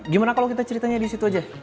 gimana kalau kita ceritanya di situ aja